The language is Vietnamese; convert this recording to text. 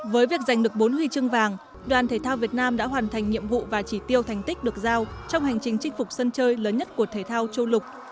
với việc giành được bốn huy chương vàng đoàn thể thao việt nam đã hoàn thành nhiệm vụ và chỉ tiêu thành tích được giao trong hành trình chinh phục sân chơi lớn nhất của thể thao châu lục